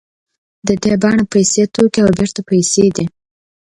د دې بڼه پیسې توکي او بېرته پیسې دي